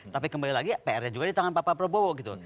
tapi kembali lagi pr nya juga di tangan pak prabowo gitu